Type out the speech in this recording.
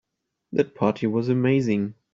That party was amazing.